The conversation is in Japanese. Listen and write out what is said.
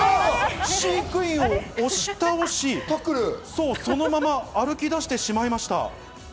飼育員を押し倒し、そのまま歩き出してしまいました。